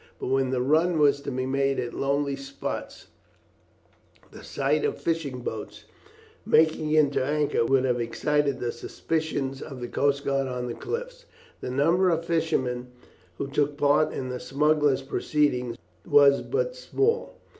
But when the run was to be made at lonely spots, the sight of fishing boats making in to anchor would have excited the suspicions of the coast guard on the cliffs. The number of fishermen who took part in the smugglers' proceedings was but small.